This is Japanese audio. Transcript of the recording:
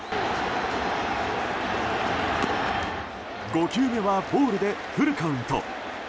５球目はボールでフルカウント。